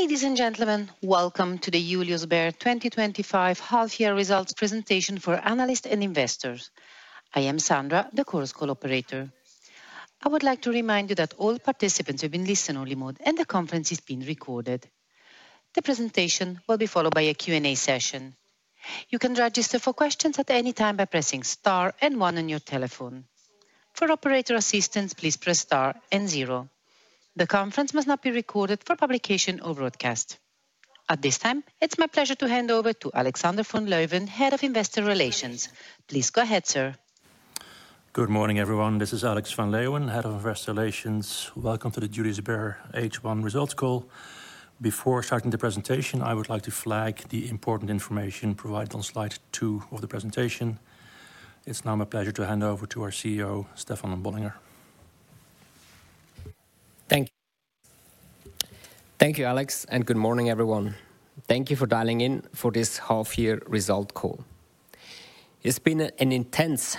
Ladies and gentlemen, welcome to the Julius Baer 2025 Half-Year Results Presentation for Analysts and Investors. I am Sandra, the course co-operator. I would like to remind you that all participants have been listened-only mode, and the conference is being recorded. The presentation will be followed by a Q&A session. You can register for questions at any time by pressing Star and one on your telephone. For operator assistance, please press Star and zero. The conference must not be recorded for publication or broadcast. At this time, it's my pleasure to hand over to Alexander van Leeuwen, Head of Investor Relations. Please go ahead, sir. Good morning, everyone. This is Alexander van Leeuwen, Head of Investor Relations. Welcome to the Julius Baer H1 Results Call. Before starting the presentation, I would like to flag the important information provided on Slide 2 of the presentation. It's now my pleasure to hand over to our CEO, Stefan Bollinger. Thank you. Thank you, Alex, and good morning, everyone. Thank you for dialing in for this Half-Year Result Call. It's been an intense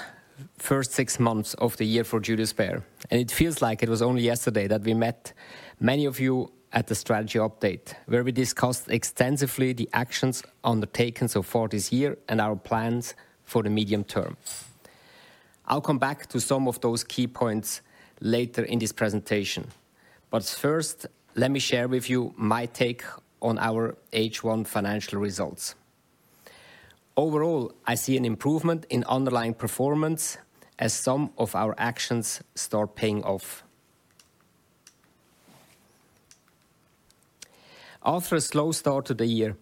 first six months of the year for Julius Baer, and it feels like it was only yesterday that we met many of you at the strategy update, where we discussed extensively the actions undertaken so far this year and our plans for the medium term. I'll come back to some of those key points later in this presentation, but first, let me share with you my take on our H1 financial results. Overall, I see an improvement in underlying performance as some of our actions start paying off. After a slow start to the year,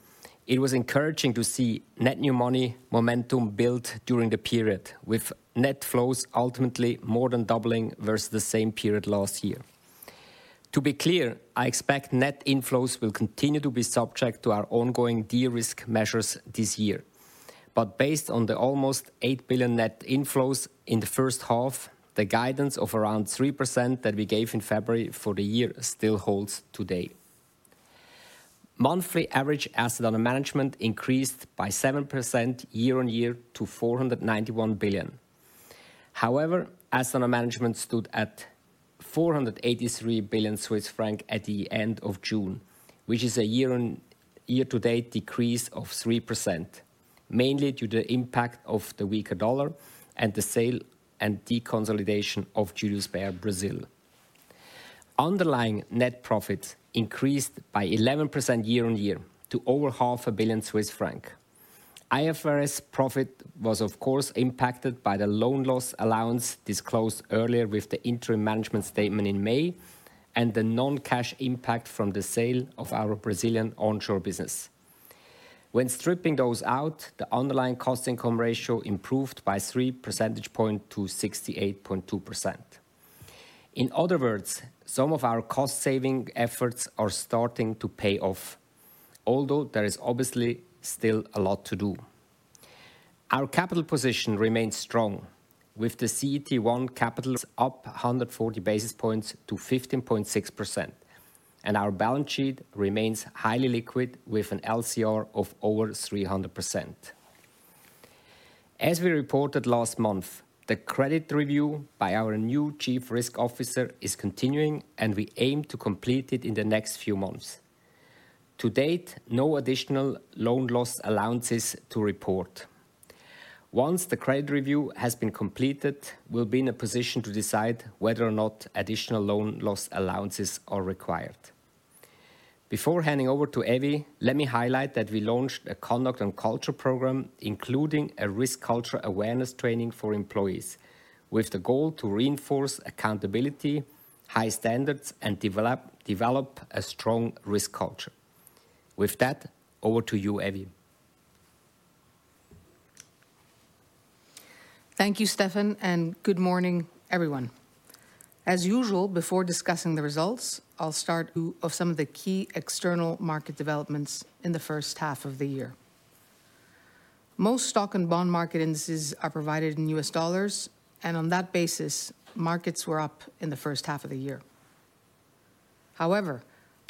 it was encouraging to see Net New Money momentum build during the period, with net flows ultimately more than doubling versus the same period last year. To be clear, I expect net inflows will continue to be subject to our ongoing de-risk measures this year, but based on the almost 8 billion net inflows in the first half, the guidance of around 3% that we gave in February for the year still holds today. Monthly average Asset Under Management increased by 7% year-on-year to 491 billion. However, Asset Under Management stood at 483 billion Swiss franc at the end of June, which is a year-to-date decrease of 3%, mainly due to the impact of the weaker dollar and the sale and deconsolidation of Julius Baer Brazil. Underlying net profit increased by 11% year-on-year to over 500 million Swiss franc. IFRS profit was, of course, impacted by the loan loss allowance disclosed earlier with the Interim Management Statement in May and the non-cash impact from the sale of our Brazilian onshore business. When stripping those out, the underlying Cost-Income Ratio improved by 3 percentage points to 68.2%. In other words, some of our cost-saving efforts are starting to pay off, although there is obviously still a lot to do. Our capital position remains strong, with the CET1 capital up 140 basis points to 15.6%, and our balance sheet remains highly liquid with an LCR of over 300%. As we reported last month, the credit review by our new Chief Risk Officer is continuing, and we aim to complete it in the next few months. To date, no additional loan loss allowances to report. Once the credit review has been completed, we'll be in a position to decide whether or not additional loan loss allowances are required. Before handing over to Evie, let me highlight that we launched a conduct and culture program, including a risk culture awareness training for employees, with the goal to reinforce accountability, high standards, and develop a strong risk culture. With that, over to you, Evie. Thank you, Stefan, and good morning, everyone. As usual, before discussing the results, I'll start with some of the key external market developments in the first half of the year. Most stock and bond market indices are provided in US dollars, and on that basis, markets were up in the first half of the year. However,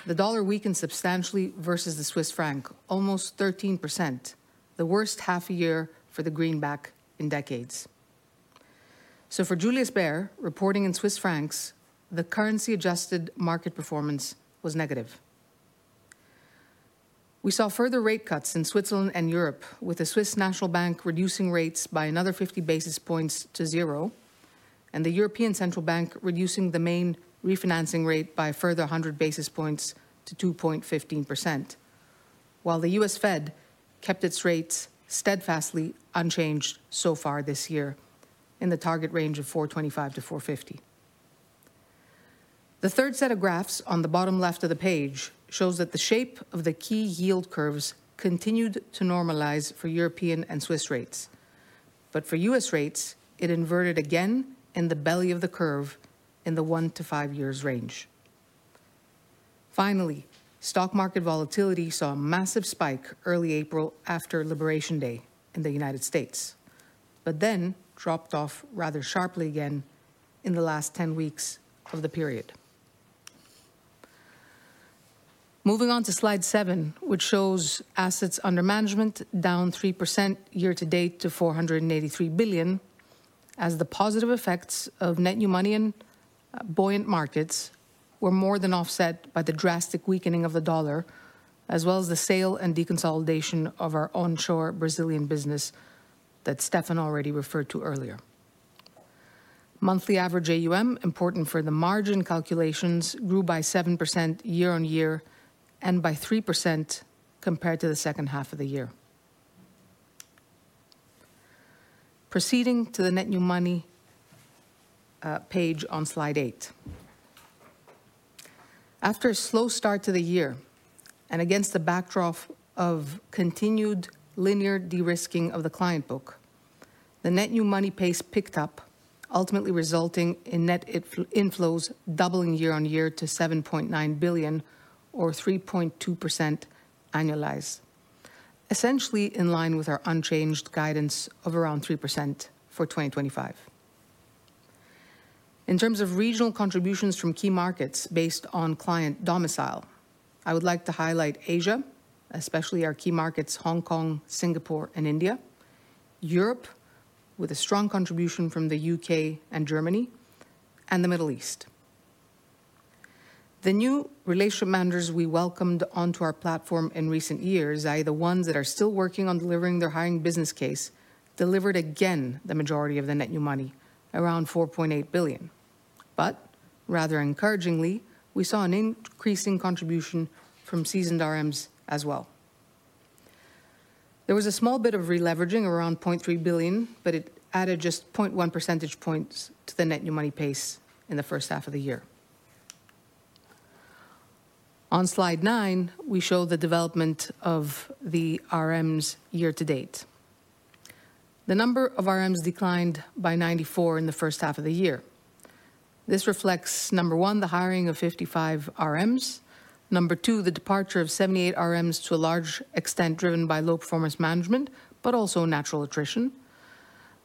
the dollar weakened substantially versus the Swiss franc, almost 13%, the worst half-a-year for the greenback in decades. For Julius Baer, reporting in Swiss francs, the currency-adjusted market performance was negative. We saw further rate cuts in Switzerland and Europe, with the Swiss National Bank reducing rates by another 50 basis points to 0, and the European Central Bank reducing the main refinancing rate by a further 100 basis points to 2.15%. While the U.S. Fed kept its rates steadfastly unchanged so far this year in the target range of 4.25%-4.50%. The third set of graphs on the bottom left of the page shows that the shape of the key yield curves continued to normalize for European and Swiss rates, but for U.S. rates, it inverted again in the belly of the curve in the 1- to 5-years range. Finally, stock market volatility saw a massive spike early April after Liberation Day in the United States, but then dropped off rather sharply again in the last 10 weeks of the period. Moving on to Slide 7, which shows assets under management down 3% year to date to 483 billion, as the positive effects of Net New Money and buoyant markets were more than offset by the drastic weakening of the dollar, as well as the sale and deconsolidation of our onshore Brazilian business that Stefan already referred to earlier. Monthly average AUM, important for the margin calculations, grew by 7% year-on-year and by 3% compared to the second half of the year. Proceeding to the Net New Money page on Slide 8. After a slow start to the year and against the backdrop of continued linear De-Risking of the client book, the Net New Money pace picked up, ultimately resulting in net inflows doubling year-on-year to 7.9 billion, or 3.2% annualized. Essentially in line with our unchanged guidance of around 3% for 2025. In terms of regional contributions from key markets based on client domicile, I would like to highlight Asia, especially our key markets, Hong Kong, Singapore, and India; Europe, with a strong contribution from the U.K. and Germany; and the Middle East. The new relationship managers we welcomed onto our platform in recent years, either ones that are still working on delivering their hiring business case, delivered again the majority of the Net New Money, around 4.8 billion. Rather encouragingly, we saw an increasing contribution from seasoned RMs as well. There was a small bit of re-leveraging around 0.3 billion, but it added just 0.1 percentage points to the Net New Money pace in the first half of the year. On Slide 9, we show the development of the RMs year-to-date. The number of RMs declined by 94 in the first half of the year. This reflects, number one, the hiring of 55 RMs; Number two, the departure of 78 RMs to a large extent driven by low performance management, but also natural attrition.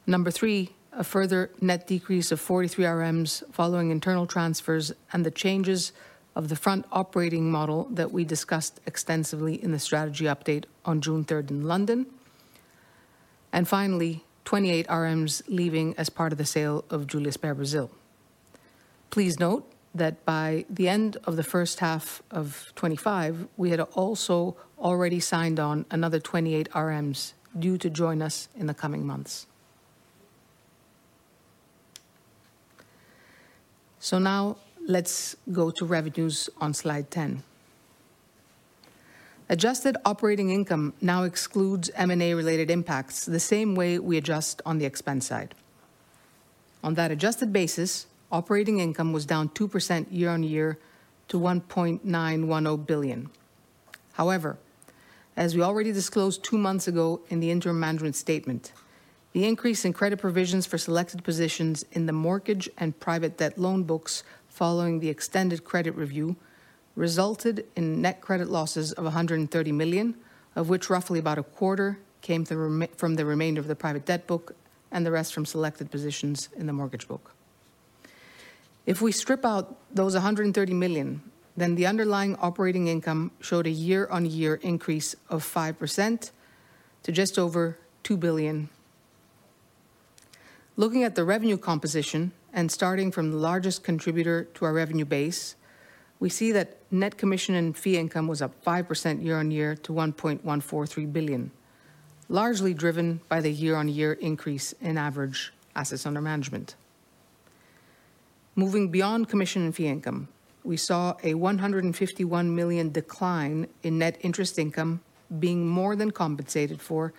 Number three, a further net decrease of 43 RMs following internal transfers and the changes of the Front Operating Model that we discussed extensively in the Strategy Update on June 3rd in London. Finally, 28 RMs leaving as part of the sale of Julius Baer Brazil. Please note that by the end of the first half of 2025, we had also already signed on another 28 RMs due to join us in the coming months. Now let's go to Revenues on Slide 10. Adjusted operating income now excludes M&A-related impacts the same way we adjust on the expense side. On that adjusted basis, operating income was down 2% year-on-year to 1.910 billion. However, as we already disclosed two months ago in the interim management statement, the increase in credit provisions for selected positions in the mortgage and private debt loan books following the extended credit review resulted in net credit losses of 130 million, of which roughly about a quarter came from the remainder of the private debt book and the rest from selected positions in the mortgage book. If we strip out those 130 million, then the underlying operating income showed a year-on-year increase of 5% to just over 2 billion. Looking at the revenue composition and starting from the largest contributor to our revenue base, we see that net commission and fee income was up 5% year on year to 1.143 billion, largely driven by the year-on-year increase in average assets under management. Moving beyond commission and fee income, we saw a 151 million decline in net interest income being more than compensated for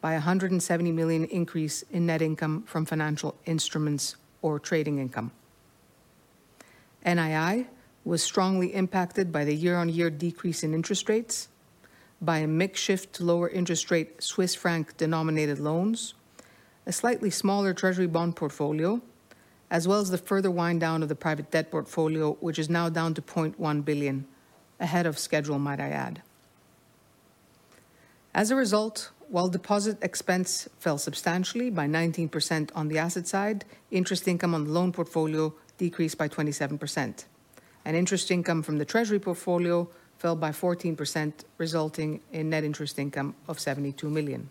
by a 170 million increase in net income from financial instruments or trading income. NII was strongly impacted by the year-on-year decrease in interest rates, by a makeshift lower interest rate Swiss franc-denominated loans, a slightly smaller treasury bond portfolio, as well as the further wind down of the private debt portfolio, which is now down to 0.1 billion ahead of schedule, might I add. As a result, while deposit expense fell substantially by 19% on the asset side, interest income on the loan portfolio decreased by 27%, and interest income from the treasury portfolio fell by 14%, resulting in net interest income of 72 million.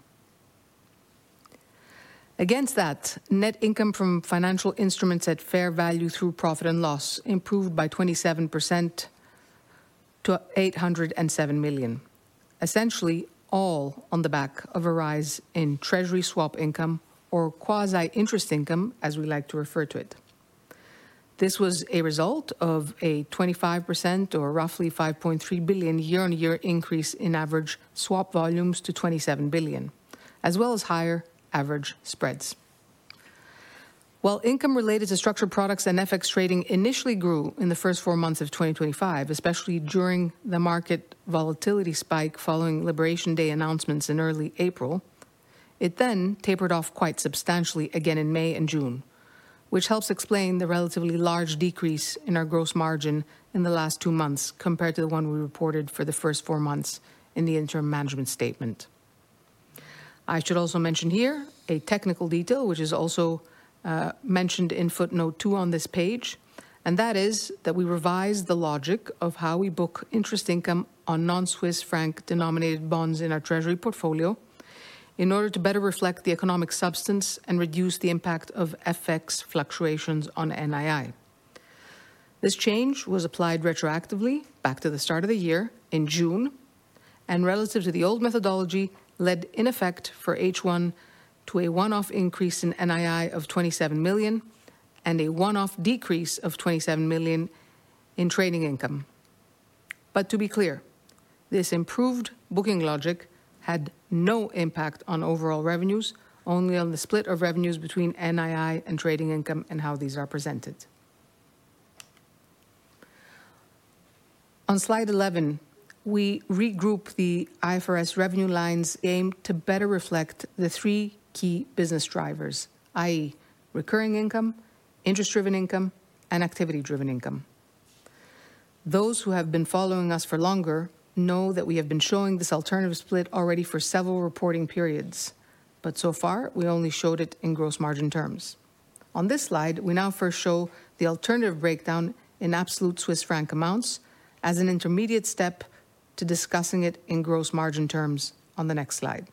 Against that, net income from financial instruments at fair value through profit and loss improved by 27% to 807 million, essentially all on the back of a rise in treasury swap income, or quasi-interest income, as we like to refer to it. This was a result of a 25%, or roughly 5.3 billion, year-on-year increase in average swap volumes to 27 billion, as well as higher average spreads. While income related to structured products and FX trading initially grew in the first four months of 2025, especially during the market volatility spike following Liberation Day announcements in early April, it then tapered off quite substantially again in May and June, which helps explain the relatively large decrease in our gross margin in the last two months compared to the one we reported for the first four months in the interim management statement. I should also mention here a technical detail which is also mentioned in footnote 2 on this page, and that is that we revised the logic of how we book interest income on non-Swiss franc-denominated bonds in our treasury portfolio in order to better reflect the economic substance and reduce the impact of FX fluctuations on NII. This change was applied retroactively back to the start of the year in June, and relative to the old methodology led in effect for H1 to a one-off increase in NII of 27 million and a one-off decrease of 27 million in trading income. But to be clear, this improved booking logic had no impact on overall revenues, only on the split of revenues between NII and trading income and how these are presented. On Slide 11, we regroup the IFRS revenue lines, aim to better reflect the three key business drivers, i.e., Recurring Income, Interest-Driven Income, and Activity-Driven Income. Those who have been following us for longer know that we have been showing this alternative split already for several reporting periods, but so far we only showed it in gross margin terms. On this slide, we now first show the alternative breakdown in absolute Swiss franc amounts as an intermediate step to discussing it in gross margin terms on the next slide.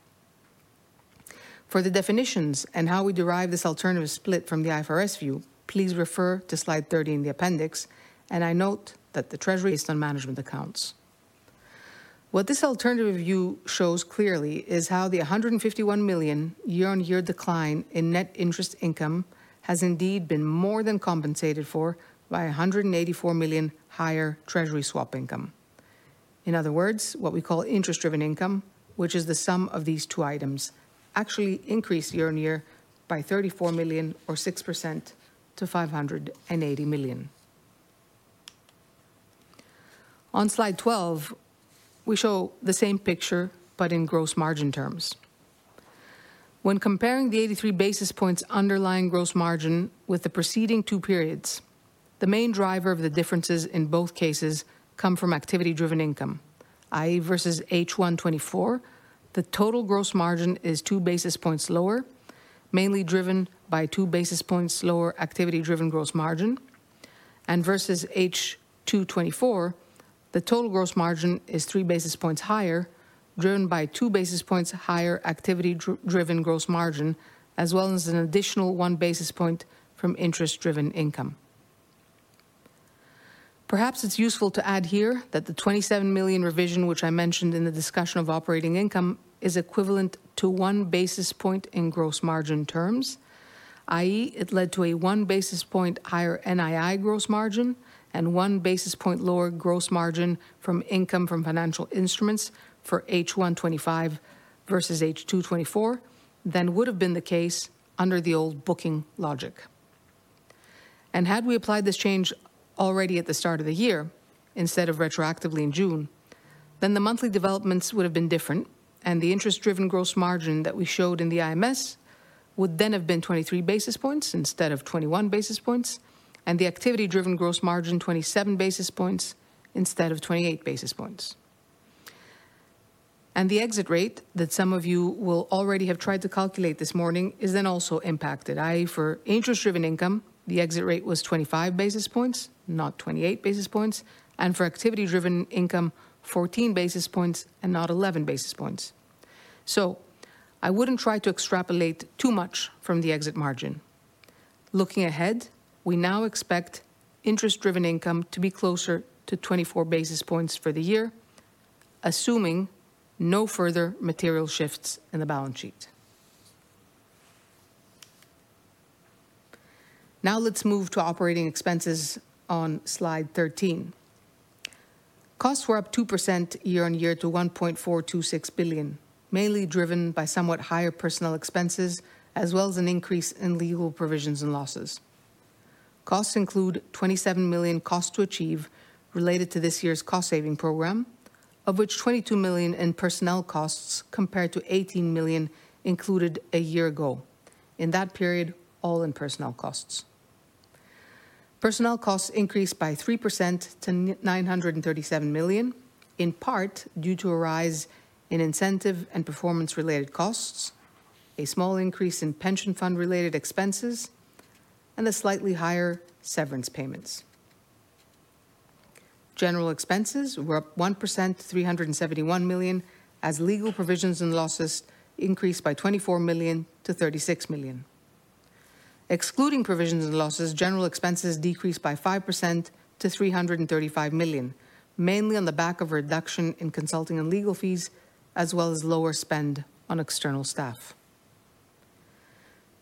For the definitions and how we derive this alternative split from the IFRS view, please refer to Slide 30 in the appendix, and I note that the treasury on management accounts. What this alternative view shows clearly is how the 151 million year-on-year decline in net interest income has indeed been more than compensated for by 184 million higher treasury swap income. In other words, what we call Interest-Driven Income, which is the sum of these two items, actually increased year-on-year by 34 million, or 6%, to 580 million. On Slide 12, we show the same picture, but in gross margin terms. When comparing the 83 basis points underlying gross margin with the preceding two periods, the main driver of the differences in both cases comes from Activity-Driven Income, i.e., versus H1 2024, the total gross margin is two basis points lower, mainly driven by two basis points lower activity-driven gross margin, and versus H2 2024, the total gross margin is three basis points higher, driven by two basis points higher activity-driven gross margin, as well as an additional one basis point from Interest-Driven Income. Perhaps it's useful to add here that the 27 million revision, which I mentioned in the discussion of operating income, is equivalent to one basis point in gross margin terms, i.e., it led to a one basis point higher NII gross margin and one basis point lower gross margin from income from financial instruments for H1 2025 versus H2 2024 than would have been the case under the old booking logic. Had we applied this change already at the start of the year instead of retroactively in June, then the monthly developments would have been different, and the interest-driven gross margin that we showed in the IMS would then have been 23 basis points instead of 21 basis points, and the activity-driven gross margin 27 basis points instead of 28 basis points. The exit rate that some of you will already have tried to calculate this morning is then also impacted, i.e., for Interest-Driven Income, the exit rate was 25 basis points, not 28 basis points, and for Activity-Driven Income, 14 basis points and not 11 basis points. I wouldn't try to extrapolate too much from the exit margin. Looking ahead, we now expect Interest-Driven Income to be closer to 24 basis points for the year, assuming no further material shifts in the balance sheet. Now let's move to operating expenses on Slide 13. Costs were up 2% year-on-year to 1.426 billion, mainly driven by somewhat higher personnel expenses, as well as an increase in legal provisions and losses. Costs include 27 million cost to achieve related to this year's cost-saving program, of which 22 million in personnel costs compared to 18 million included a year ago. In that period, all-in personnel costs. Personnel costs increased by 3% to 937 million, in part due to a rise in incentive and performance-related costs, a small increase in pension fund-related expenses, and slightly higher severance payments. General expenses were up 1% to 371 million, as legal provisions and losses increased by 24 million to 36 million. Excluding provisions and losses, general expenses decreased by 5% to 335 million, mainly on the back of a reduction in consulting and legal fees, as well as lower spend on external staff.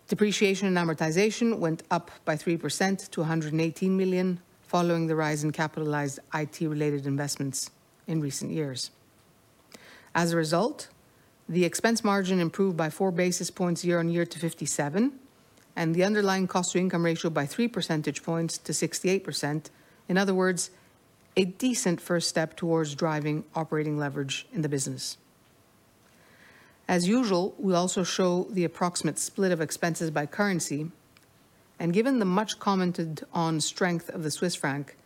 Depreciation and amortization went up by 3% to 118 million, following the rise in capitalized IT-related investments in recent years. As a result, the expense margin improved by four basis points year-on-year to 57, and the underlying Cost-Income Ratio by three percentage points to 68%. In other words, a decent first step towards driving operating leverage in the business. As usual, we also show the approximate split of expenses by currency, and given the much commented on strength of the Swiss franc,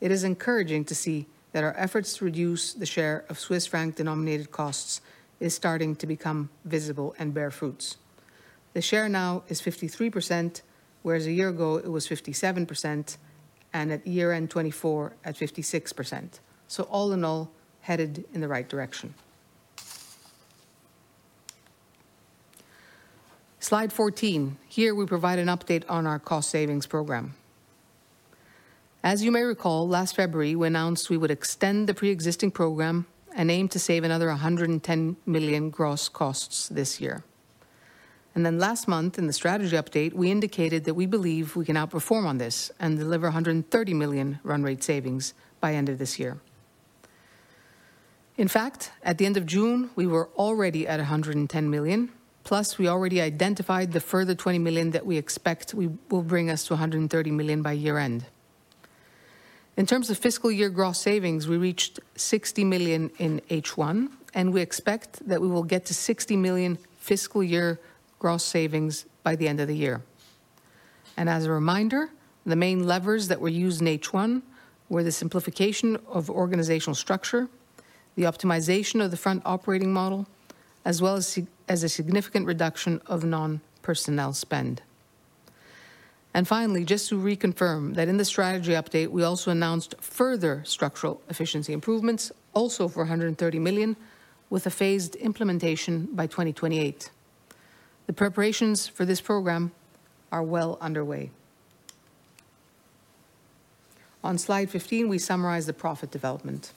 it is encouraging to see that our efforts to reduce the share of Swiss franc-denominated costs is starting to become visible and bear fruits. The share now is 53%, whereas a year ago it was 57%. At year-end 2024 at 56%. All in all, headed in the right direction. Slide 14. Here we provide an update on our cost-savings program. As you may recall, last February, we announced we would extend the pre-existing program and aim to save another 110 million gross costs this year. Last month, in the strategy update, we indicated that we believe we can outperform on this and deliver 130 million run rate savings by the end of this year. In fact, at the end of June, we were already at 110 million, plus we already identified the further 20 million that we expect will bring us to 130 million by year-end. In terms of fiscal year gross savings, we reached 60 million in H1, and we expect that we will get to 60 million fiscal year gross savings by the end of the year. As a reminder, the main levers that were used in H1 were the simplification of organizational structure, the optimization of the Front Operating Model, as well as a significant reduction of non-personnel spend. Finally, just to reconfirm that in the strategy update, we also announced further structural efficiency improvements, also for 130 million, with a phased implementation by 2028. The preparations for this program are well underway. On Slide 15, we summarize the profit development.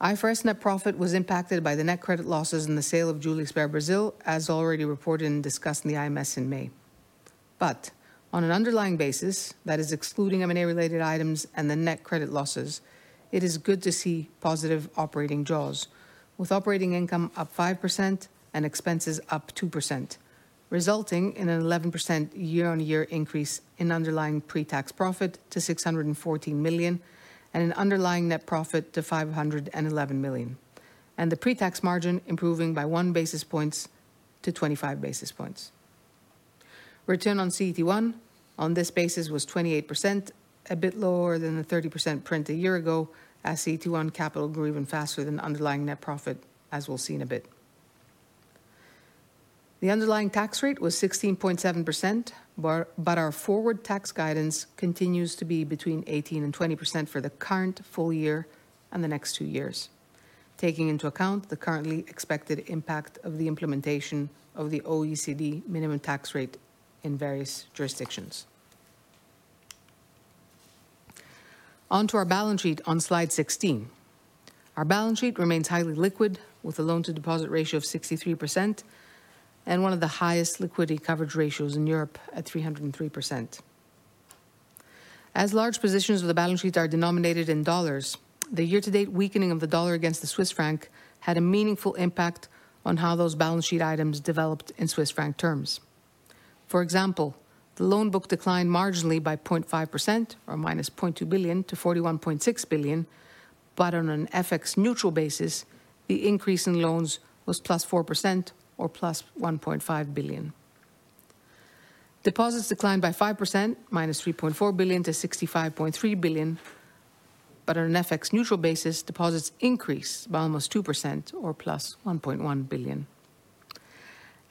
IFRS net profit was impacted by the net credit losses in the sale of Julius Baer Brazil, as already reported and discussed in the IMS in May. On an underlying basis, that is excluding M&A-related items and the net credit losses, it is good to see positive operating draws, with operating income up 5% and expenses up 2%, resulting in an 11% year-on-year increase in underlying pre-tax profit to 614 million and an underlying net profit to 511 million, and the pre-tax margin improving by one basis point to 25 basis points. Return on CET1 on this basis was 28%, a bit lower than the 30% print a year ago, as CET1 capital grew even faster than underlying net profit, as we will see in a bit. The underlying tax rate was 16.7%. Our forward tax guidance continues to be between 18%-20% for the current full year and the next two years, taking into account the currently expected impact of the implementation of the OECD minimum tax rate in various jurisdictions. Onto our balance sheet on Side 16. Our balance sheet remains highly liquid, with a loan-to-deposit ratio of 63% and one of the highest Liquidity Coverage Ratios in Europe at 303%. As large positions of the balance sheet are denominated in dollars, the year-to-date weakening of the dollar against the Swiss franc had a meaningful impact on how those balance sheet items developed in Swiss franc terms. For example, the loan book declined marginally by 0.5%, or minus 0.2 billion, to 41.6 billion, but on an FX-neutral basis, the increase in loans was plus 4%, or plus 1.5 billion. Deposits declined by 5%, minus 3.4 billion, to 65.3 billion. On an FX-neutral basis, deposits increased by almost 2%, or plus 1.1 billion.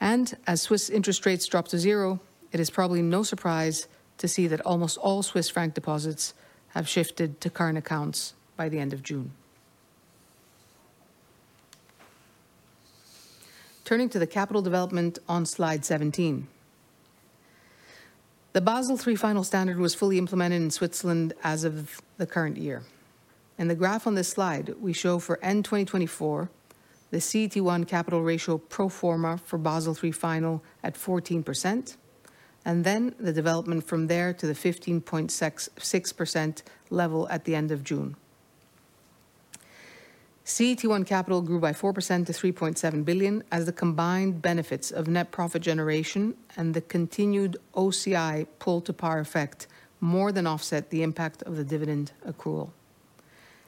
As Swiss interest rates drop to zero, it is probably no surprise to see that almost all Swiss franc deposits have shifted to current accounts by the end of June. Turning to the capital development on Slide 17. The Basel III final standard was fully implemented in Switzerland as of the current year. In the graph on this slide, we show for end 2024, the CET1 capital ratio pro forma for Basel III final at 14%. The development from there to the 15.6% level at the end of June. CET1 capital grew by 4% to 3.7 billion, as the combined benefits of net profit generation and the continued OCI Pull-to-Par effect more than offset the impact of the dividend accrual.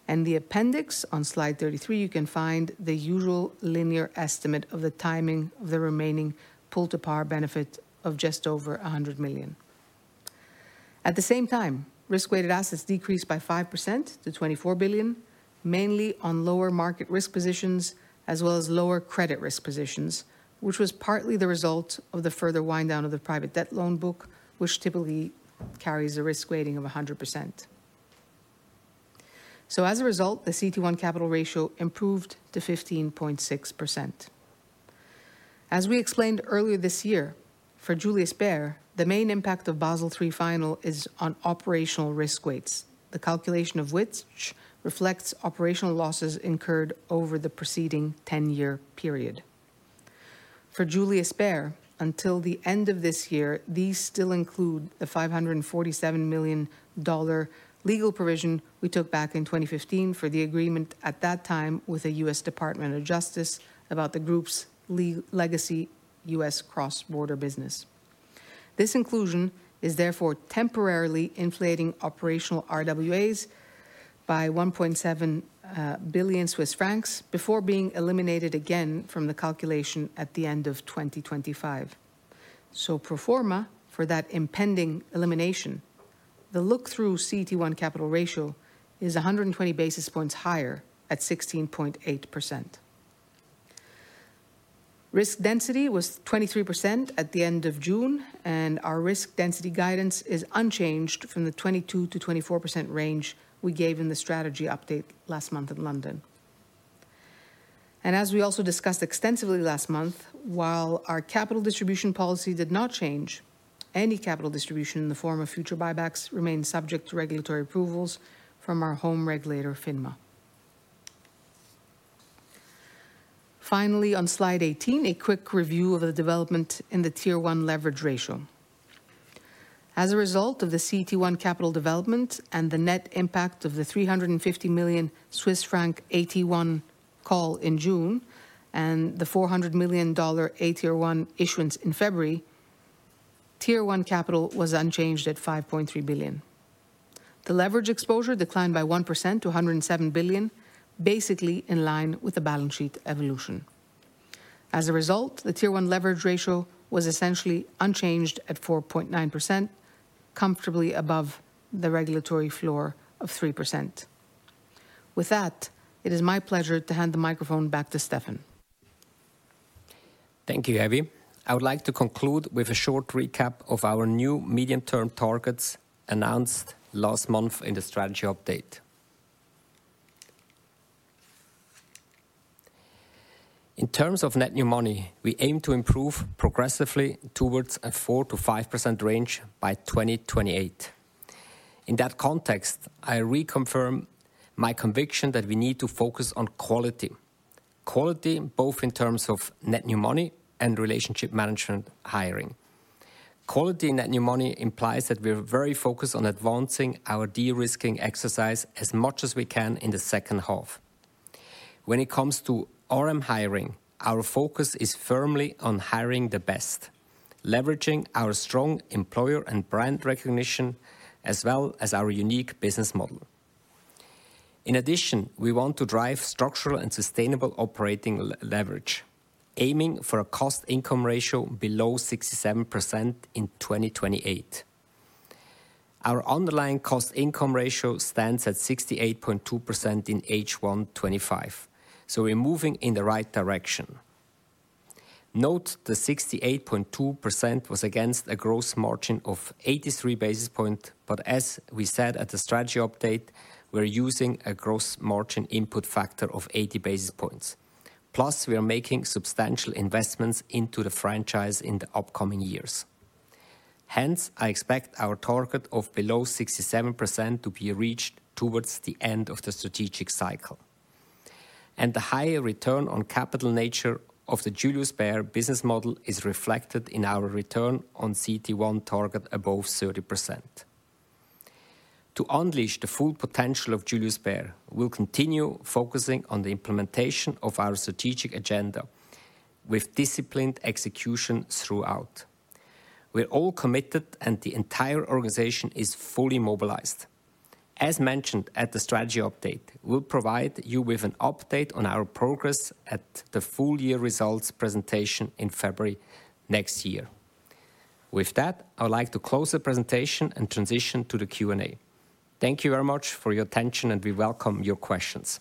In the appendix on slide 33, you can find the usual linear estimate of the timing of the remaining Pull-to-Par benefit of just over 100 million. At the same time, Risk-Weighted Assets decreased by 5% to 24 billion, mainly on lower market risk positions, as well as lower credit risk positions, which was partly the result of the further wind-down of the private debt loan book, which typically carries a risk rating of 100%. As a result, the CET1 capital ratio improved to 15.6%. As we explained earlier this year, for Julius Baer, the main impact of Basel III final is on operational risk weights, the calculation of which reflects operational losses incurred over the preceding 10-year period. For Julius Baer, until the end of this year, these still include the $547 million legal provision we took back in 2015 for the agreement at that time with the U.S. Department of Justice about the group's legacy U.S. cross-border business. This inclusion is therefore temporarily inflating operational RWAs by 1.7 billion Swiss francs before being eliminated again from the calculation at the end of 2025. Pro forma for that impending elimination, the look-through CET1 capital ratio is 120 basis points higher at 16.8%. Risk density was 23% at the end of June, and our risk density guidance is unchanged from the 22%-24% range we gave in the strategy update last month in London. As we also discussed extensively last month, while our capital distribution policy did not change, any capital distribution in the form of future buybacks remains subject to regulatory approvals from our home regulator, FINMA. Finally, on Slide 18, a quick review of the development in the Tier-One Leverage Ratio. As a result of the CET1 capital development and the net impact of the 350 million Swiss franc AT1 call in June and the $400 million AT1 issuance in February, tier-one capital was unchanged at 5.3 billion. The leverage exposure declined by 1% to 107 billion, basically in line with the balance sheet evolution. As a result, the Tier-One Leverage Ratio was essentially unchanged at 4.9%. Comfortably above the regulatory floor of 3%. With that, it is my pleasure to hand the microphone back to Stefan. Thank you, Evie. I would like to conclude with a short recap of our new medium-term targets announced last month in the strategy update. In terms of Net New Money, we aim to improve progressively towards a 4%-5% range by 2028. In that context, I reconfirm my conviction that we need to focus on quality. Quality both in terms of Net New Money and relationship management hiring. Quality in Net New Money implies that we are very focused on advancing our De-Risking exercise as much as we can in the second half. When it comes to RM hiring, our focus is firmly on hiring the best, leveraging our strong employer and brand recognition, as well as our unique business model. In addition, we want to drive structural and sustainable operating leverage, aiming for a Cost-Income Ratio below 67% in 2028. Our underlying Cost-Income Ratio stands at 68.2% in H125, so we're moving in the right direction. Note the 68.2% was against a gross margin of 83 basis points, but as we said at the strategy update, we're using a gross margin input factor of 80 basis points. Plus, we are making substantial investments into the franchise in the upcoming years. Hence, I expect our target of below 67% to be reached towards the end of the strategic cycle. The higher return on capital nature of the Julius Baer business model is reflected in our return on CET1 target above 30%. To unleash the full potential of Julius Baer, we'll continue focusing on the implementation of our strategic agenda with disciplined execution throughout. We're all committed, and the entire organization is fully mobilized. As mentioned at the strategy update, we'll provide you with an update on our progress at the full-year results presentation in February next year. With that, I would like to close the presentation and transition to the Q&A. Thank you very much for your attention, and we welcome your questions.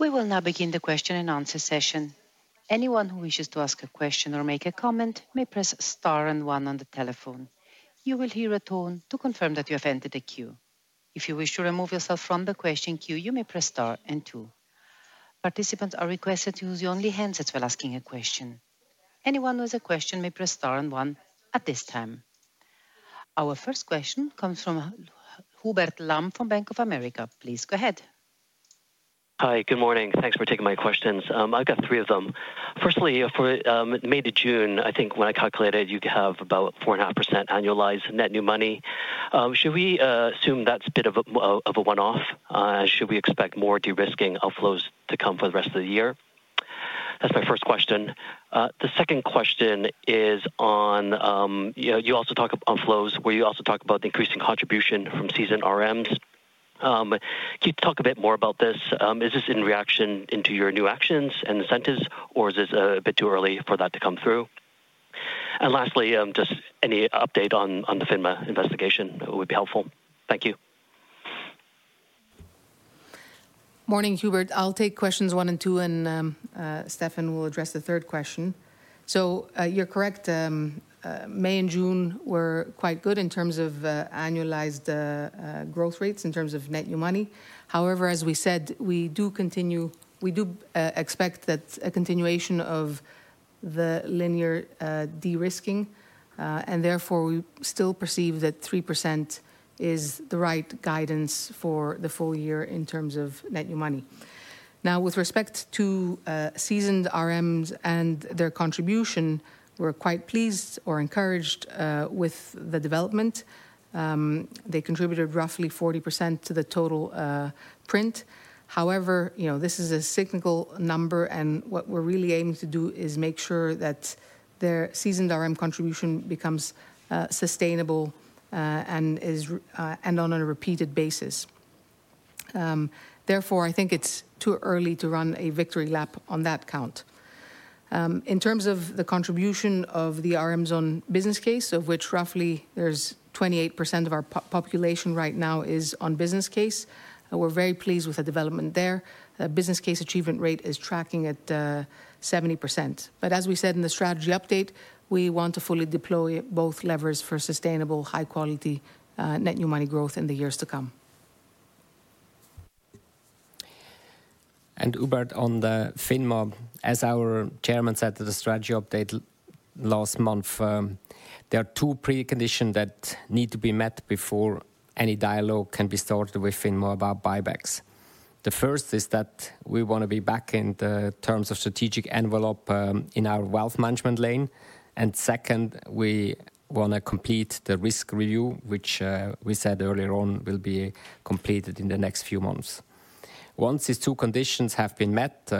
We will now begin the question and answer session. Anyone who wishes to ask a question or make a comment may press star and one on the telephone. You will hear a tone to confirm that you have entered the queue. If you wish to remove yourself from the question queue, you may press star and two. Participants are requested to use only handsets while asking a question. Anyone with a question may press star and one at this time. Our first question comes from Hubert Lam from Bank of America. Please go ahead. Hi, good morning. Thanks for taking my questions. I've got three of them. Firstly, for mid-June, I think when I calculated, you'd have about 4.5% annualized Net New Money. Should we assume that's a bit of a one-off? Should we expect more De-Risking outflows to come for the rest of the year? That's my first question. The second question is on. You also talk on flows where you also talk about the increasing contribution from seasoned RMs. Can you talk a bit more about this? Is this in reaction to your new actions and incentives, or is this a bit too early for that to come through? Lastly, just any update on the FINMA investigation would be helpful. Thank you. Morning, Hubert. I'll take questions one and two, and Stefan will address the third question. You are correct. May and June were quite good in terms of annualized growth rates in terms of Net New Money. However, as we said, we do expect that a continuation of the linear De-Risking, and therefore we still perceive that 3% is the right guidance for the full year in terms of Net New Money. Now, with respect to seasoned RMs and their contribution, we are quite pleased or encouraged with the development. They contributed roughly 40% to the total print. However, this is a cyclical number, and what we are really aiming to do is make sure that their seasoned RM contribution becomes sustainable and on a repeated basis. Therefore, I think it is too early to run a victory lap on that count. In terms of the contribution of the RMs on business case, of which roughly there is 28% of our population right now is on business case, we are very pleased with the development there. The business case achievement rate is tracking at 70%. As we said in the strategy update, we want to fully deploy both levers for sustainable, high-quality Net New Money growth in the years to come. Hubert, on the FINMA, as our Chairman said at the strategy update last month, there are two preconditions that need to be met before any dialogue can be started with FINMA about buybacks. The first is that we want to be back in the terms of strategic envelope in our wealth management lane. Second, we want to complete the risk review, which we said earlier on will be completed in the next few months. Once these two conditions have been met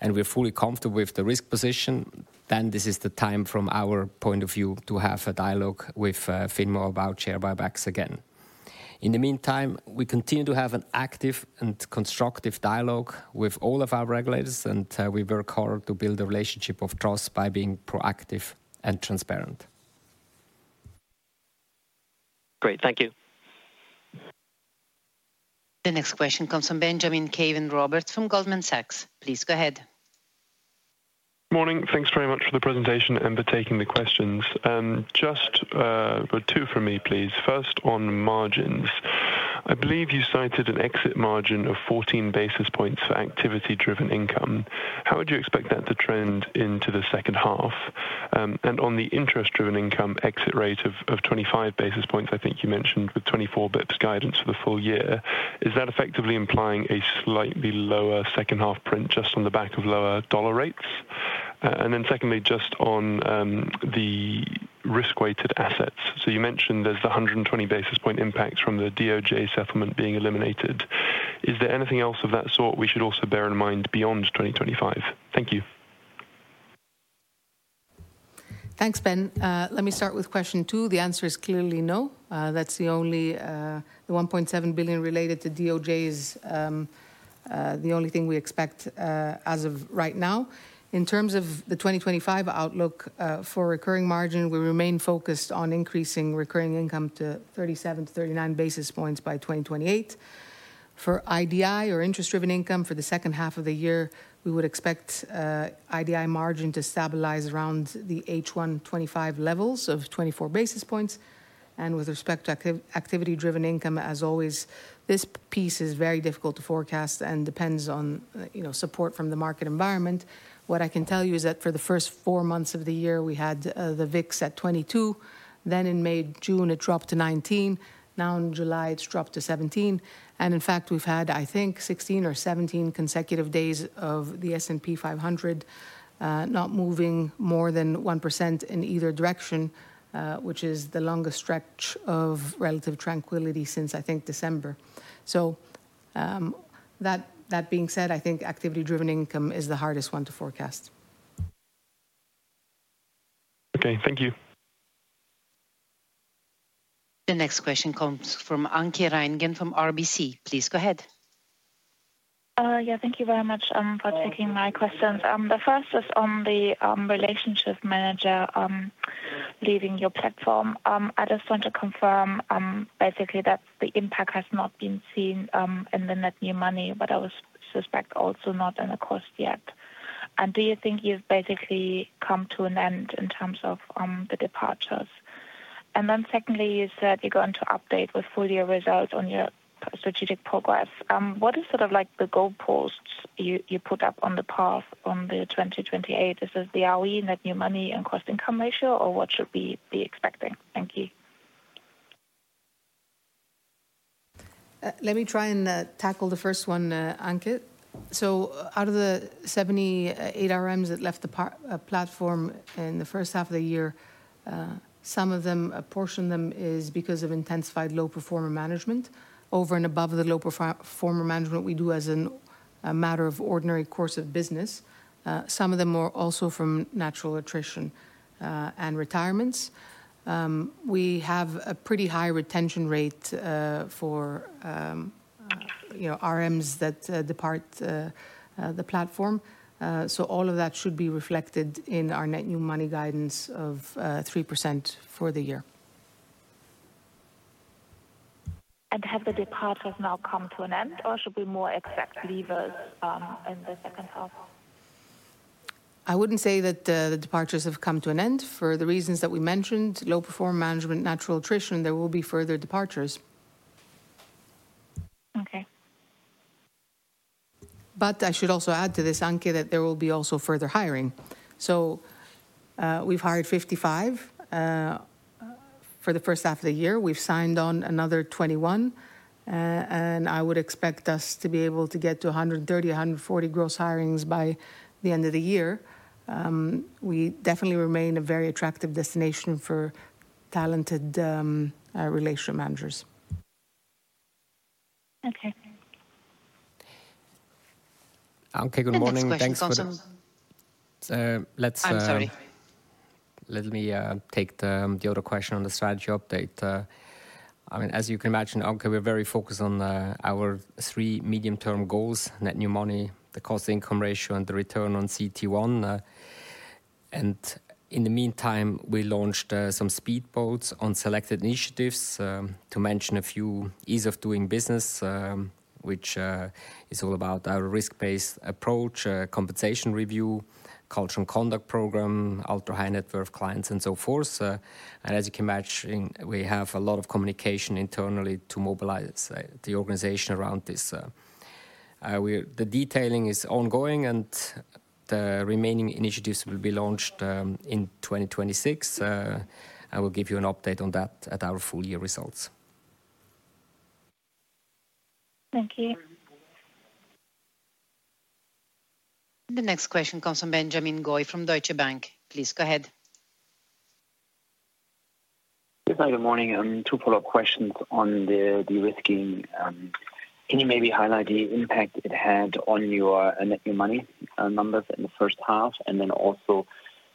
and we are fully comfortable with the risk position, then this is the time, from our point of view, to have a dialogue with FINMA about share buybacks again. In the meantime, we continue to have an active and constructive dialogue with all of our regulators, and we work hard to build a relationship of trust by being proactive and transparent. Great. Thank you. The next question comes from Benjamin Caven-Roberts from Goldman Sachs. Please go ahead. Morning. Thanks very much for the presentation and for taking the questions. Just two from me, please. First, on margins. I believe you cited an exit margin of 14 basis points for Activity-Driven Income. How would you expect that to trend into the second half? On the Interest-Driven Income exit rate of 25 basis points, I think you mentioned, with 24 basis points guidance for the full year, is that effectively implying a slightly lower second-half print just on the back of lower dollar rates? Secondly, just on the Risk-Weighted Assets. You mentioned there is the 120 basis point impact from the DOJ settlement being eliminated. Is there anything else of that sort we should also bear in mind beyond 2025? Thank you. Thanks, Ben. Let me start with question two. The answer is clearly no. That is the only. The $1.7 billion related to DOJ is the only thing we expect as of right now. In terms of the 2025 outlook for recurring margin, we remain focused on increasing Recurring Income to 37-39 basis points by 2028. For IDI or Interest-Driven Income for the second half of the year, we would expect IDI margin to stabilize around the H1 2025 levels of 24 basis points. With respect to Activity-Driven Income, as always, this piece is very difficult to forecast and depends on support from the market environment. What I can tell you is that for the first four months of the year, we had the VIX at 22. In May-June, it dropped to 19. Now in July, it has dropped to 17. In fact, we have had, I think, 16 or 17 consecutive days of the S&P 500 not moving more than 1% in either direction, which is the longest stretch of relative tranquility since, I think, December. That being said, I think Activity-Driven Income is the hardest one to forecast. Thank you. The next question comes from Anke Reingen from RBC. Please go ahead. Thank you very much for taking my questions. The first is on the relationship manager leaving your platform. I just want to confirm, basically, that the impact has not been seen in the Net New Money, but I would suspect also not in the cost yet. Do you think you have basically come to an end in terms of the departures? Secondly, you said you are going to update with full-year results on your strategic progress. What is sort of like the goal posts you put up on the path on the 2028? Is this the RM, Net New Money, and Cost-Income Ratio, or what should we be expecting? Thank you. Let me try and tackle the first one, Anke. Out of the 78 RMs that left the platform in the first half of the year, some of them, a portion of them, is because of intensified low-performer management over and above the low-performer management we do as a matter of ordinary course of business. Some of them are also from natural attrition and retirements. We have a pretty high retention rate for RMs that depart the platform. All of that should be reflected in our Net New Money guidance of 3% for the year. Have the departures now come to an end, or should we more expect leavers in the second half? I would not say that the departures have come to an end. For the reasons that we mentioned, low-performer management, natural attrition, there will be further departures. Okay. I should also add to this, Anke, that there will be also further hiring. We have hired 55 for the first half of the year. We have signed on another 21. I would expect us to be able to get to 130-140 gross hirings by the end of the year. We definitely remain a very attractive destination for talented relationship managers. Okay. Anke, good morning Thanks for that. I am sorry. Let me take the other question on the strategy update. I mean, as you can imagine, Anke, we are very focused on our three medium-term goals: Net New Money, the Cost-Income Ratio, and the return on CET1. In the meantime, we launched some speed boats on selected initiatives, to mention a few, ease-of-doing business, which is all about our risk-based approach, compensation review, culture and conduct program, ultra-high net worth clients, and so forth. As you can imagine, we have a lot of communication internally to mobilize the organization around this. The detailing is ongoing, and the remaining initiatives will be launched in 2026. I will give you an update on that at our full-year results. Thank you. The next question comes from Benjamin Goy from Deutsche Bank. Please go ahead. Good morning. Two follow-up questions on the De-Risking. Can you maybe highlight the impact it had on your Net New Money numbers in the first half, and then also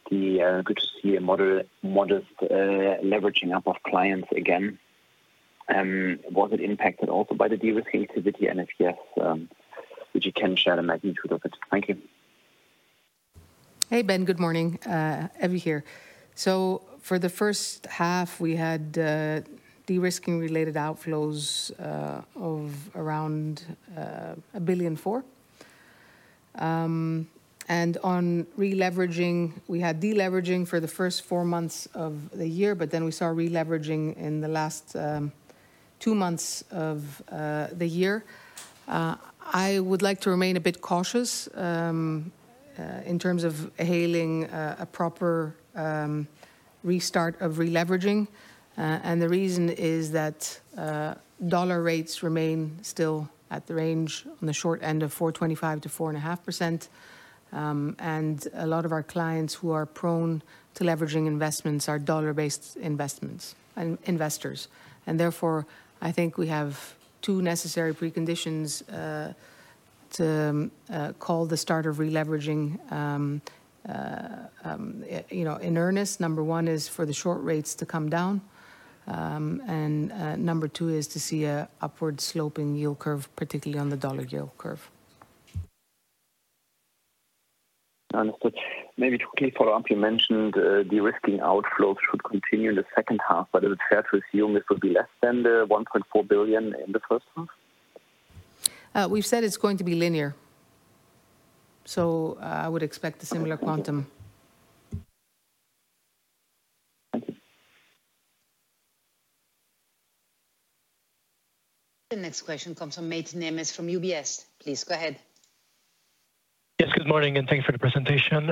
the good-to-see modest leveraging up of clients again? Was it impacted also by the De-Risking activity? If yes, could you share the magnitude of it? Thank you. Hey, Ben. Good morning. Evie here. For the first half, we had De-Risking-related outflows of around 1 billion. On re-leveraging, we had de-leveraging for the first four months of the year, but then we saw re-leveraging in the last two months of the year. I would like to remain a bit cautious in terms of hailing a proper restart of re-leveraging. The reason is that dollar rates remain still at the range on the short end of 4.25%-4.5%, and a lot of our clients who are prone to leveraging investments are dollar-based investors. Therefore, I think we have two necessary preconditions to call the start of re-leveraging in earnest. Number one is for the short rates to come down, and number two is to see an upward-sloping yield curve, particularly on the dollar yield curve. Maybe to clarify, Anke mentioned De-Risking outflows should continue in the second half, but is it fair to assume this would be less than the 1.4 billion in the first half? We have said it is going to be linear, so I would expect a similar quantum. The next question comes from Mate Nemes from UBS. Please go ahead. Yes. Good morning and thanks for the presentation.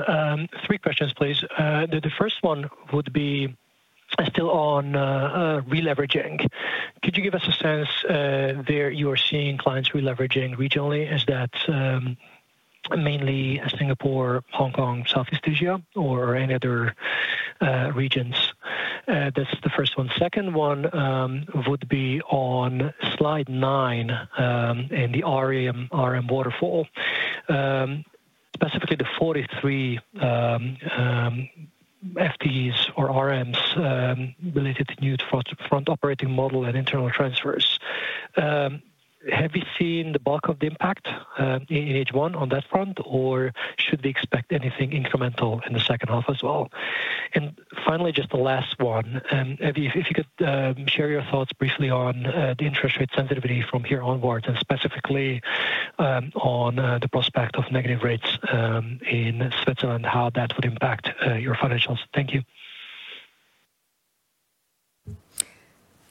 Three questions, please. The first one would be still on re-leveraging. Could you give us a sense where you are seeing clients re-leveraging regionally? Is that mainly Singapore, Hong Kong, Southeast Asia, or any other regions? That is the first one. Second one would be on Slide 9 in the RM waterfall. Specifically, the 43 FTEs or RMs related to new Front Operating Model and internal transfers. Have we seen the bulk of the impact in H1 on that front, or should we expect anything incremental in the second half as well? And finally, just the last one. If you could share your thoughts briefly on the interest rate sensitivity from here onwards and specifically on the prospect of negative rates in Switzerland, how that would impact your financials. Thank you.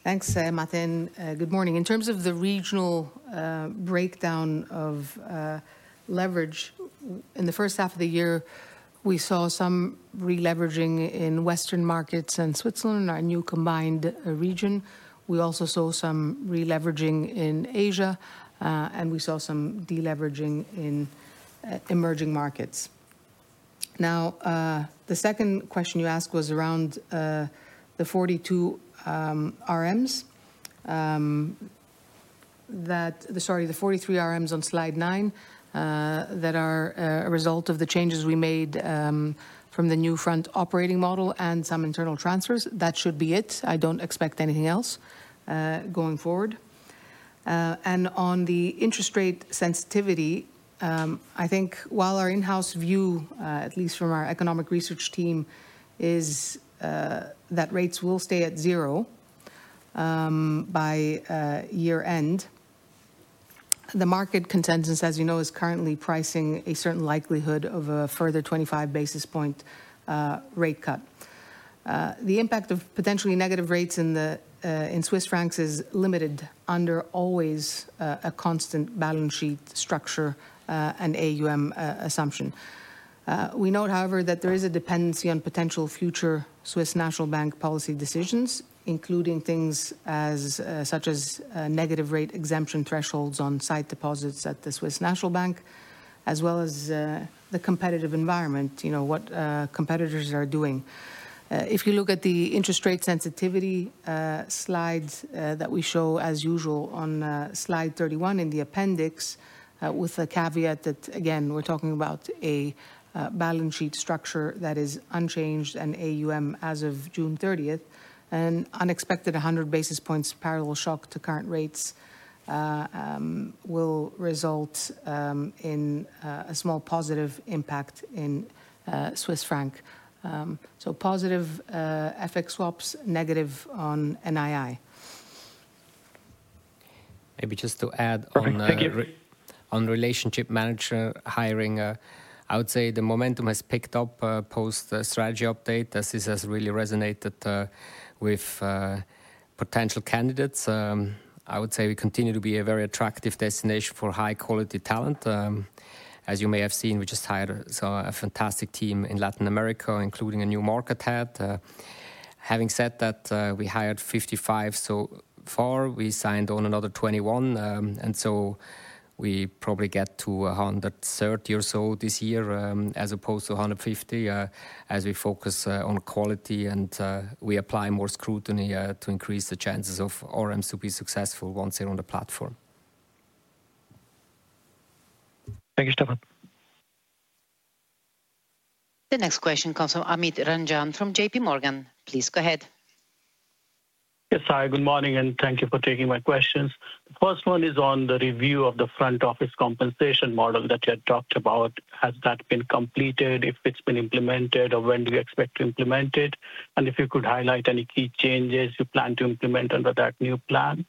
Thanks, Mate. Good morning.In terms of the regional breakdown of leverage, in the first half of the year, we saw some re-leveraging in Western markets and Switzerland, our new combined region. We also saw some re-leveraging in Asia, and we saw some de-leveraging in emerging markets. Now, the second question you asked was around the 43 RMs on slide nine that are a result of the changes we made from the new Front Operating Model and some internal transfers. That should be it. I do not expect anything else going forward. On the interest rate sensitivity, I think while our in-house view, at least from our economic research team, is that rates will stay at zero by year-end, the market consensus, as you know, is currently pricing a certain likelihood of a further 25 basis point rate cut. The impact of potentially negative rates in Swiss francs is limited under always a constant balance sheet structure and AUM assumption. We note, however, that there is a dependency on potential future Swiss National Bank policy decisions, including things such as negative rate exemption thresholds on sight deposits at the Swiss National Bank, as well as the competitive environment, what competitors are doing. If you look at the interest rate sensitivity slides that we show, as usual, on Slide 31 in the Appendix, with the caveat that, again, we are talking about a balance sheet structure that is unchanged and AUM as of June 30, an unexpected 100 basis points parallel shock to current rates will result in a small positive impact in Swiss franc. So positive FX swaps, negative on NII. Maybe just to add on relationship manager hiring, I would say the momentum has picked up post-strategy update. This has really resonated with potential candidates. I would say we continue to be a very attractive destination for high-quality talent. As you may have seen, we just hired a fantastic team in Latin America, including a new market head. Having said that, we hired 55 so far. We signed on another 21. We probably get to 130 or so this year, as opposed to 150, as we focus on quality and we apply more scrutiny to increase the chances of RMs to be successful once they're on the platform. Thank you, Stefan. The next question comes from Amit Ranjan from JPMorgan. Please go ahead. Yes. Hi. Good morning and thank you for taking my questions. The first one is on the review of the front office compensation model that you had talked about. Has that been completed? If it's been implemented, or when do you expect to implement it? And if you could highlight any key changes you plan to implement under that new plan?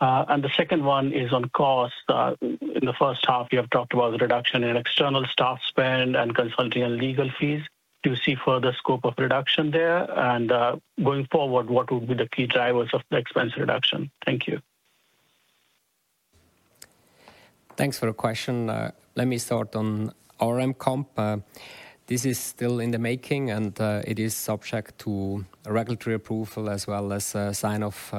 The second one is on cost. In the first half, you have talked about the reduction in external staff spend and consulting and legal fees. Do you see further scope of reduction there? Going forward, what would be the key drivers of the expense reduction? Thank you. Thanks for the question. Let me start on RM comp. This is still in the making, and it is subject to regulatory approval as well as sign-off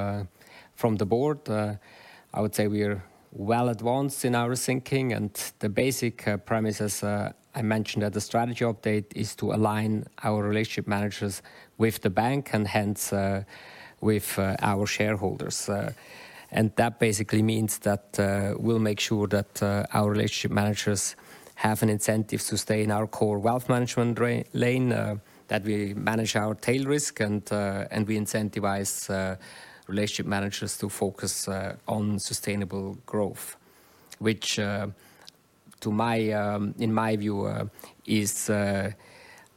from the board. I would say we are well advanced in our thinking, and the basic premises I mentioned at the strategy update is to align our relationship managers with the bank and hence with our shareholders. That basically means that we'll make sure that our relationship managers have an incentive to stay in our core wealth management lane, that we manage our tail risk, and we incentivize relationship managers to focus on sustainable growth, which in my view is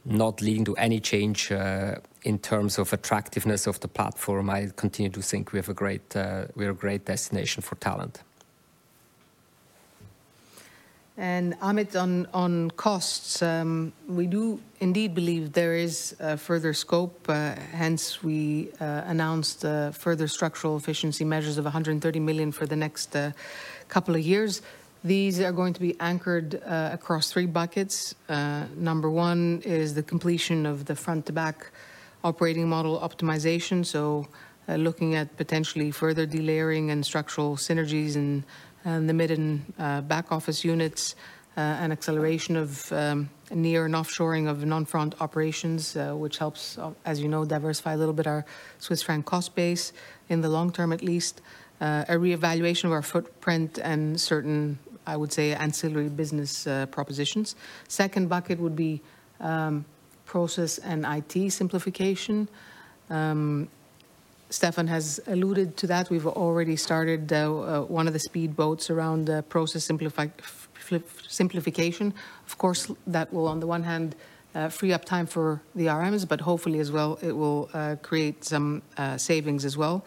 not leading to any change in terms of attractiveness of the platform. I continue to think we're a great destination for talent. Amit, on costs, we do indeed believe there is further scope. Hence, we announced further structural efficiency measures of 130 million for the next couple of years. These are going to be anchored across three buckets. Number one is the completion of the front-to-back operating model optimization. Looking at potentially further delayering and structural synergies in the mid- and back-office units, an acceleration of near- and offshoring of non-front operations, which helps, as you know, diversify a little bit our Swiss franc cost base in the long term, at least. A re-evaluation of our footprint and certain, I would say, ancillary business propositions. Second bucket would be process and IT simplification. Stefan has alluded to that. We've already started one of the speed boats around process simplification. Of course, that will, on the one hand, free up time for the RMs, but hopefully as well, it will create some savings as well.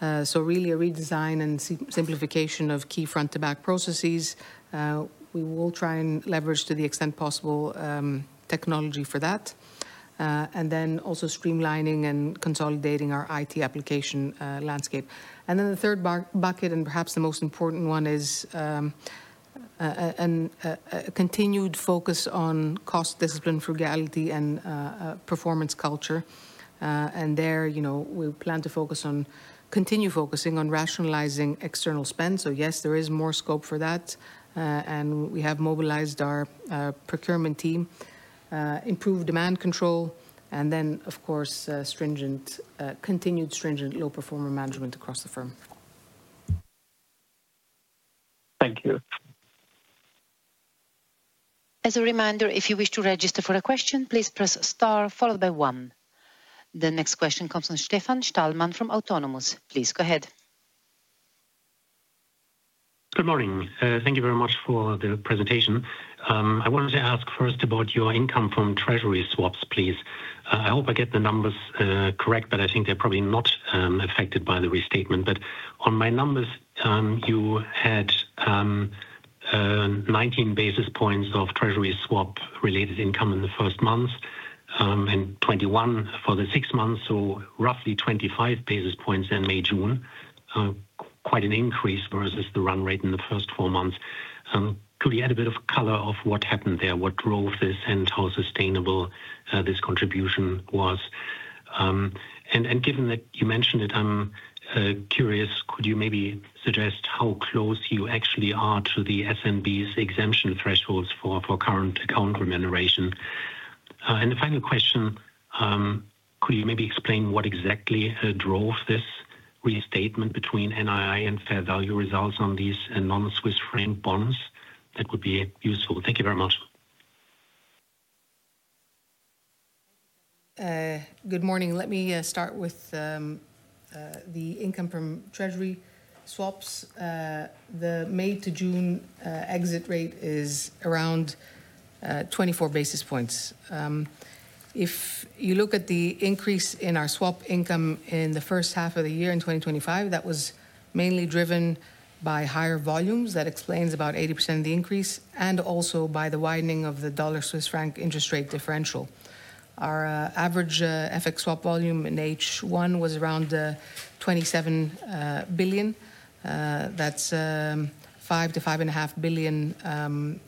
Really a redesign and simplification of key front-to-back processes. We will try and leverage, to the extent possible, technology for that. Also streamlining and consolidating our IT application landscape. The third bucket, and perhaps the most important one, is a continued focus on cost discipline, frugality, and performance culture. There, we plan to continue focusing on rationalizing external spend. Yes, there is more scope for that. We have mobilized our procurement team, improved demand control, and, of course, continued stringent low-performer management across the firm. Thank you. As a reminder, if you wish to register for a question, please press star followed by one. The next question comes from Stefan Stalmann from Autonomous. Please go ahead. Good morning. Thank you very much for the presentation. I wanted to ask first about your income from treasury swaps, please. I hope I get the numbers correct, but I think they are probably not affected by the restatement. On my numbers, you had 19 basis points of treasury swap-related income in the first month and 21 for the six months, so roughly 25 basis points in May-June. Quite an increase versus the run rate in the first four months. Could you add a bit of color of what happened there, what drove this, and how sustainable this contribution was? Given that you mentioned it, I am curious, could you maybe suggest how close you actually are to the SNB's exemption thresholds for current account remuneration? The final question, could you maybe explain what exactly drove this restatement between NII and fair value results on these non-Swiss franc bonds? That would be useful. Thank you very much. Good morning. Let me start with the income from treasury swaps. The May to June exit rate is around 24 basis points. If you look at the increase in our swap income in the first half of the year in 2025, that was mainly driven by higher volumes. That explains about 80% of the increase, and also by the widening of the dollar-Swiss franc interest rate differential. Our average FX swap volume in H1 was around 27 billion. That is five to five and a half billion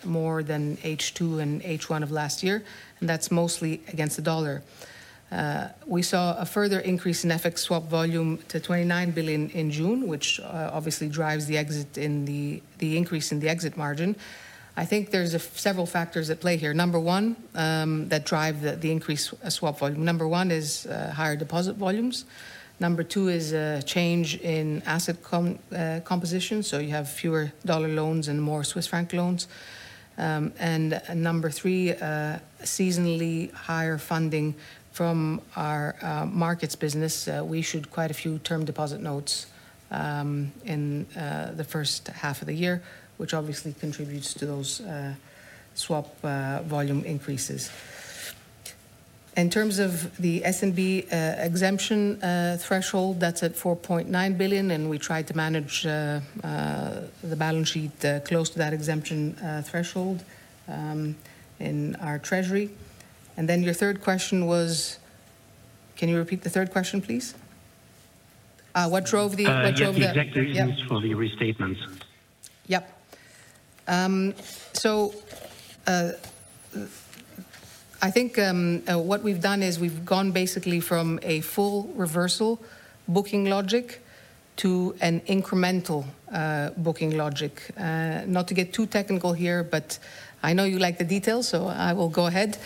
more than H2 and H1 of last year, and that is mostly against the dollar. We saw a further increase in FX swap volume to 29 billion in June, which obviously drives the increase in the exit margin. I think there are several factors at play here. Number one that drives the increase of swap volume is higher deposit volumes. Number two is a change in asset composition, so you have fewer dollar loans and more Swiss franc loans. Number three, seasonally higher funding from our markets business. We issued quite a few term deposit notes in the first half of the year, which obviously contributes to those swap volume increases. In terms of the SNB exemption threshold, that is at 4.9 billion, and we try to manage the balance sheet close to that exemption threshold in our treasury. Your third question was, can you repeat the third question, please? What drove Exactly, the use for the restatements? Yep. So, I think what we've done is we've gone basically from a full reversal booking logic to an incremental booking logic. Not to get too technical here, but I know you like the details, so I will go ahead.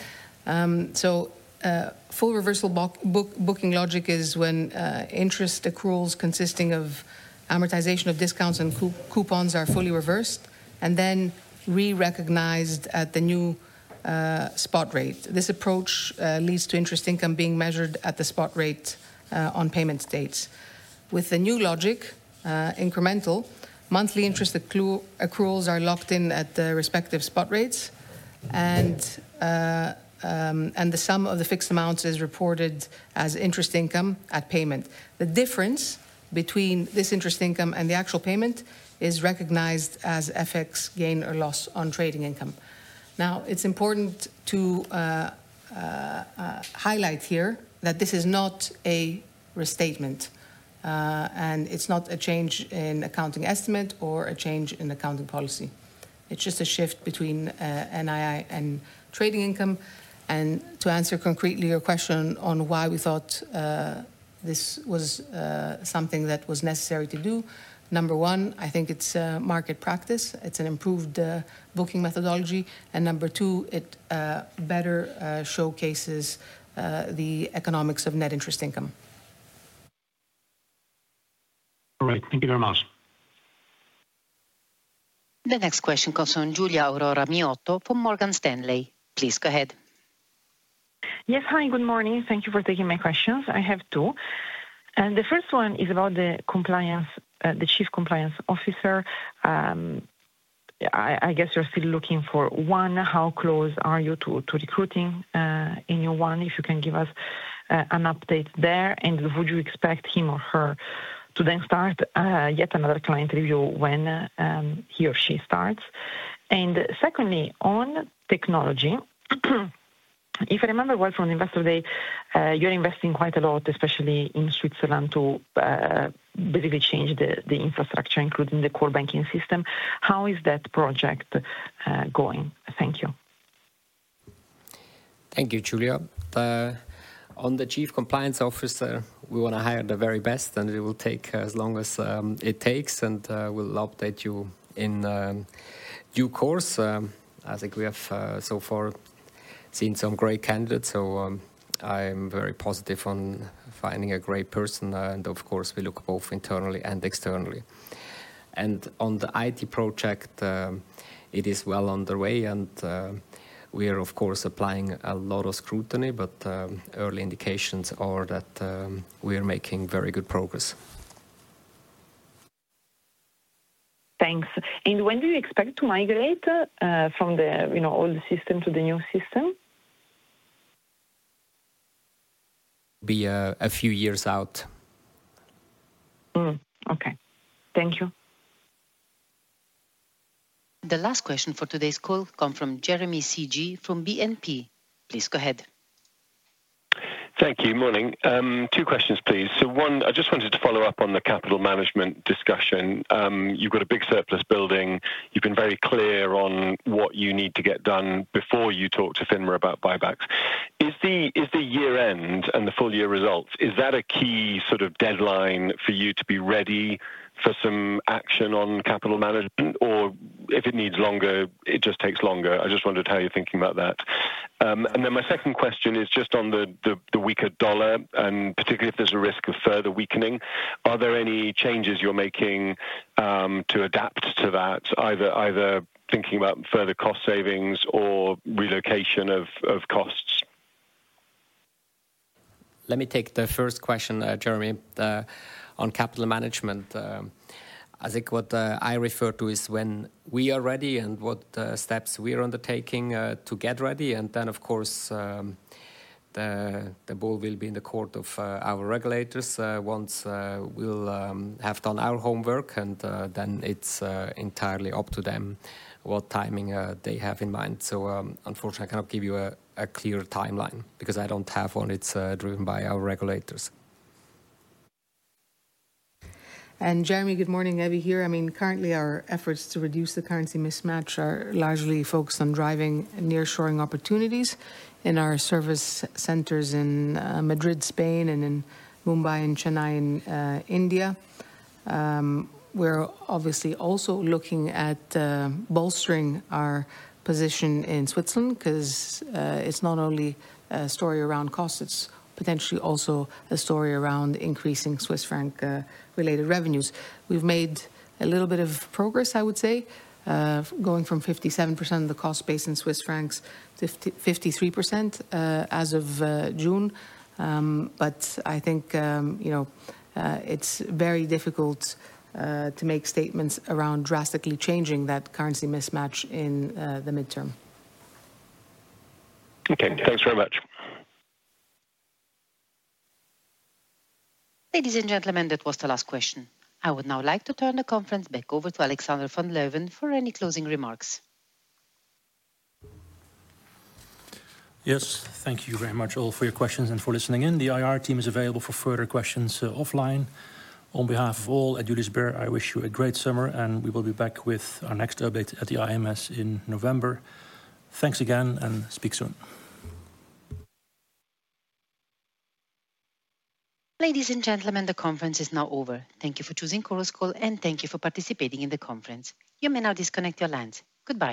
Full reversal booking logic is when interest accruals consisting of amortization of discounts and coupons are fully reversed and then re-recognized at the new spot rate. This approach leads to interest income being measured at the spot rate on payment dates. With the new logic, incremental monthly interest accruals are locked in at the respective spot rates, and the sum of the fixed amounts is reported as interest income at payment. The difference between this interest income and the actual payment is recognized as FX gain or loss on trading income. Now, it's important to highlight here that this is not a restatement. It's not a change in accounting estimate or a change in accounting policy. It's just a shift between NII and trading income. To answer concretely your question on why we thought this was something that was necessary to do, number one, I think it's market practice. It's an improved booking methodology. Number two, it better showcases the economics of net interest income. All right. Thank you very much. The next question comes from Giulia Aurora Miotto from Morgan Stanley. Please go ahead. Yes. Hi. Good morning. Thank you for taking my questions. I have two. The first one is about the Chief Compliance Officer. I guess you're still looking for one. How close are you to recruiting a new one if you can give us an update there? Would you expect him or her to then start yet another client review when he or she starts? Secondly, on technology, if I remember well from the investor day, you're investing quite a lot, especially in Switzerland, to basically change the infrastructure, including the core banking system. How is that project going? Thank you. Thank you, Giulia. On the Chief Compliance Officer, we want to hire the very best, and it will take as long as it takes. We'll update you in due course. I think we have so far seen some great candidates, so I'm very positive on finding a great person. Of course, we look both internally and externally. On the IT project, it is well underway. We are, of course, applying a lot of scrutiny, but early indications are that we are making very good progress. Thanks. When do you expect to migrate from the old system to the new system? Be a few years out. Okay. Thank you. The last question for today's call comes from Jeremy Sigee from BNP Paribas. Please go ahead. Thank you. Morning. Two questions, please. One, I just wanted to follow up on the capital management discussion. You've got a big surplus building. You've been very clear on what you need to get done before you talk to FINMA about buybacks. Is the year-end and the full-year results, is that a key sort of deadline for you to be ready for some action on capital management? Or if it needs longer, it just takes longer? I just wondered how you're thinking about that. My second question is just on the weaker dollar, and particularly if there's a risk of further weakening, are there any changes you're making to adapt to that, either thinking about further cost savings or relocation of costs? Let me take the first question, Jeremy, on capital management. I think what I refer to is when we are ready and what steps we are undertaking to get ready. Of course, the ball will be in the court of our regulators once we'll have done our homework. Then it's entirely up to them what timing they have in mind. Unfortunately, I cannot give you a clear timeline because I don't have one. It's driven by our regulators. Jeremy, good morning. Evie here. I mean, currently, our efforts to reduce the currency mismatch are largely focused on driving nearshoring opportunities in our service centers in Madrid, Spain, and in Mumbai and Chennai in India. We're obviously also looking at bolstering our position in Switzerland because it's not only a story around cost. It's potentially also a story around increasing Swiss franc-related revenues. We've made a little bit of progress, I would say, going from 57% of the cost base in Swiss francs to 53% as of June. I think it's very difficult to make statements around drastically changing that currency mismatch in the midterm. Okay. Thanks very much. Ladies and gentlemen, that was the last question. I would now like to turn the conference back over to Alexander van Leeuwen for any closing remarks. Yes. Thank you very much all for your questions and for listening in. The IR team is available for further questions offline. On behalf of all at Julius Baer, I wish you a great summer, and we will be back with our next update at the IMS in November. Thanks again and speak soon. Ladies and gentlemen, the conference is now over. Thank you for choosing Chorus Call, and thank you for participating in the conference. You may now disconnect your lines. Goodbye.